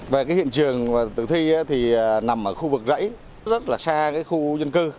và hiện trường tử thi thì nằm ở khu vực rẫy rất là xa khu dân cư